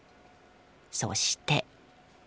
そして。